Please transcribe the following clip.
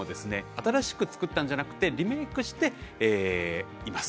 新しく作ったんじゃなくてリメークしています。